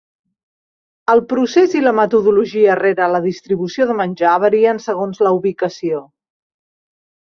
El procés i la metodologia rere la distribució de menjar varien segons la ubicació.